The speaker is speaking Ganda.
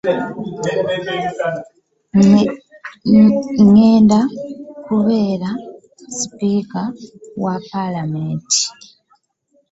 “Ŋŋenda kubeera Sipiika wa Palamenti "